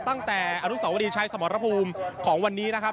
ตั้งแต่อนุสาวรีชัยสมรภูมิของวันนี้นะครับ